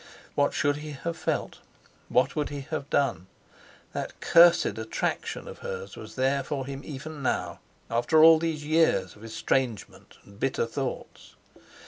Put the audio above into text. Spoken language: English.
What should he have felt, what would he have done? That cursed attraction of her was there for him even now, after all these years of estrangement and bitter thoughts.